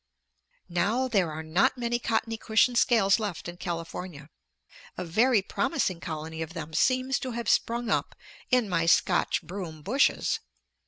Now there are not many cottony cushion scales left in California. A very promising colony of them seems to have sprung up in my Scotch broom bushes.